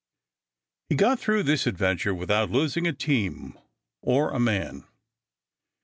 He got through this adventure without losing a team or a man.